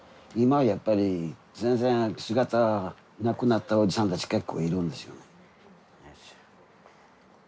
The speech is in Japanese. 今やっぱり全然姿なくなったおじさんたち結構いるんですよね。